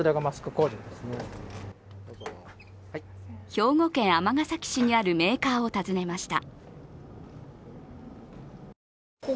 兵庫県尼崎市にあるメーカーを訪ねました。